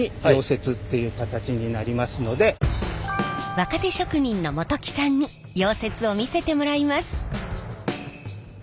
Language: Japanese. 若手職人の本木さんに溶接を見せてもらいます。